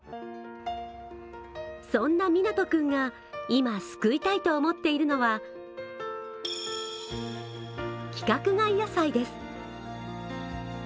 そんな湊君が今、救いたいと思っているのは規格外野菜です。